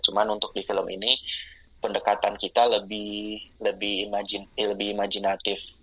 cuman untuk di film ini pendekatan kita lebih imaginatif